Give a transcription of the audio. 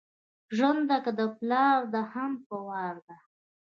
ژرنده که دې پلار ده هم په وار ده.